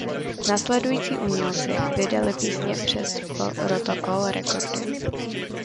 Následující umělci vydali písně přes Protocol Recording.